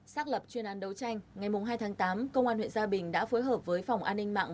xác lập chuyên án đấu tranh ngày hai tháng tám công an huyện gia bình đã phối hợp với phòng an ninh mạng